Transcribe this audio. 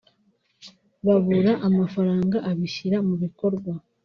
babura amafaranga abishyira mu bikorwa